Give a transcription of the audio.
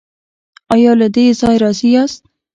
ایا له دې ځای راضي یاست؟